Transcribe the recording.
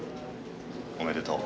おめでとう。